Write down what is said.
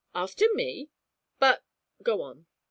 'After me? But go on.'